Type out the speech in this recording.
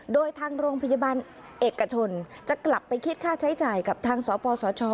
โดยทางโรงพยาบาลเอกชนจะกลับไปคิดค่าใช้จ่ายกับทางสปสช